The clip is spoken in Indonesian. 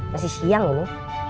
masih siang ini